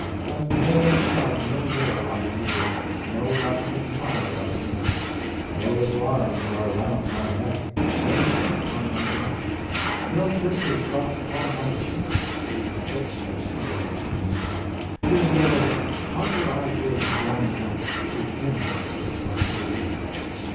That merry shout no more I hear, No laughing child I see, No little arms are round my neck, No feet upon my knee; No kisses drop upon my cheek; These lips are sealed to me. Dear Lord, how could I give Johnnie up To any but to Thee?